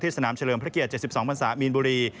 สนามเฉลิมพระเกียรติ๗๒พันศามีนบุรี